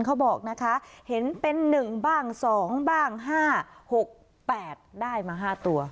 เขาบอกนะคะเห็นเป็น๑บ้าง๒บ้าง๕๖๘ได้มา๕ตัว